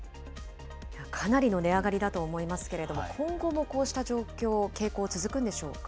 かなりの値上がりだと思いますけれども、今後もこうした状況、傾向続くんでしょうか。